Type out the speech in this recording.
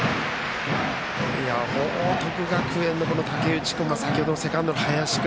報徳学園の竹内君先ほどのセカンドの林君。